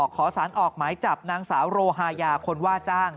ขอสารออกหมายจับนางสาวโรฮายาคนว่าจ้าง